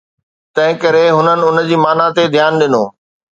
تنهن ڪري هنن ان جي معنيٰ تي ڌيان ڏنو